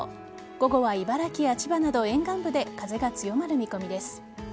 午後は茨城や千葉など沿岸部で風が強まる見込みです。